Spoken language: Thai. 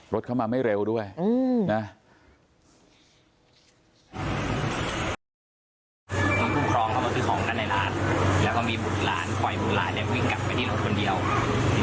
รถเข้ามาไม่เร็วด้วยนะ